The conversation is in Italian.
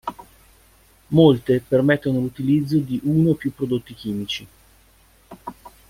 Molte permettono l'utilizzo di uno o più prodotti chimici.